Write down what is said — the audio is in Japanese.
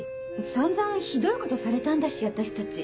散々ひどいことされたんだし私たち。